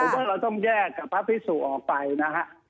ผมว่าเราต้องแยกกับพระพิสุออกไปนะฮะ